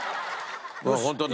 ホントだ。